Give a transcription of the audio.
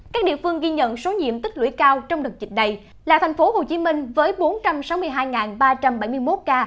các địa phương ghi nhận số nhiễm tích lưỡi cao trong đợt dịch này là thành phố hồ chí minh với bốn trăm sáu mươi hai ba trăm bảy mươi một ca